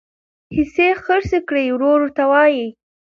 حصي خرڅي کړي ورور ورته وایي